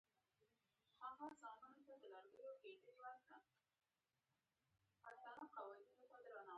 افغانستان تر هغو نه ابادیږي، ترڅو د ونو ساتنه عبادت ونه ګڼل شي.